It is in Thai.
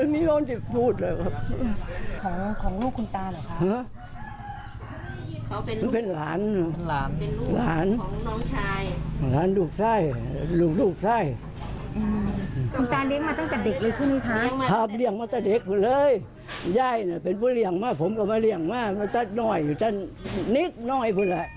มีเงินเงินเล็กน้อย